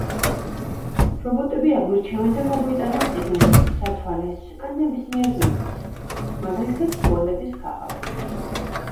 რობოტები აგვირჩევენ და მოგვიტანენ წიგნს, სათვალეს, ან ნებისმიერ ნივთს, მაგალითად – ტუალეტის ქაღალდს.